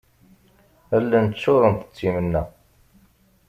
Allen ččurent d timenna.